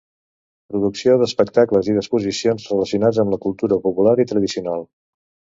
Producció d'espectacles i d'exposicions relacionats amb la cultura popular i tradicional.